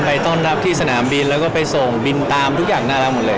ไปต้อนรับที่สนามบินแล้วก็ไปส่งบินตามทุกอย่างน่ารักหมดเลย